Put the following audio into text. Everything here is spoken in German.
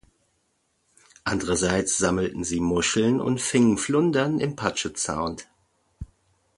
Andererseits sammelten sie Muscheln und fingen Flundern im Puget Sound.